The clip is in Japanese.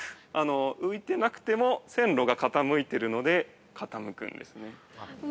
◆浮いてなくても線路が傾いてるので傾くんですね。